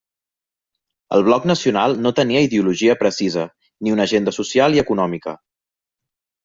El Bloc Nacional no tenia ideologia precisa, ni una agenda social i econòmica.